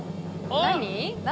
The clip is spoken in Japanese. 何？